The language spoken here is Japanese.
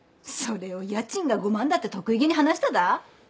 それを家賃が５万だって得意げに話しただ？